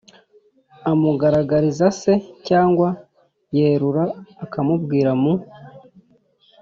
amugaragariza se cyangwa yerura akamubwira mu